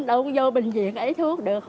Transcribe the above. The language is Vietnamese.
đâu có vô bệnh viện ấy thuốc được